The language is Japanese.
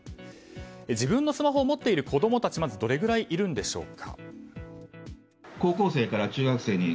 自分のスマホを持っている子供たちはどれくらいいるんでしょうか。